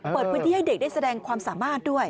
เปิดพื้นที่ให้เด็กได้แสดงความสามารถด้วย